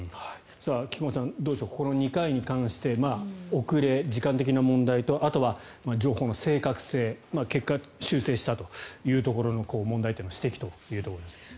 菊間さん、どうでしょうこの２回に関して遅れ、時間的な問題とあとは情報の正確性結果、修正したというところの問題点の指摘というところですが。